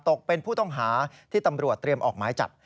ตกเป็นผู้ต้องหาที่ตำรวจเตรียมออกหมายจับ